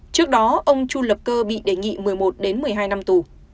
trước đó ông chu lập cơ bị đề nghị một mươi một một mươi hai năm tù